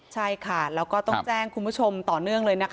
ใช่ค่ะแล้วก็ต้องแจ้งคุณผู้ชมต่อเนื่องเลยนะคะ